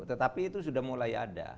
tetapi itu sudah mulai ada